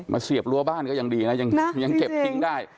เสียบรั้วบ้านก็ยังดีนะยังเก็บทิ้งได้